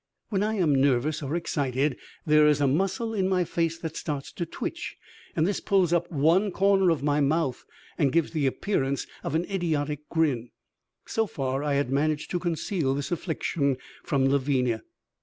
When I am nervous or excited there is a muscle in my face that starts to twitch, and this pulls up one corner of my mouth and gives the appearance of an idiotic grin. So far I had managed to conceal this affliction from Lavinia.